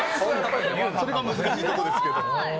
それは難しいところですけど。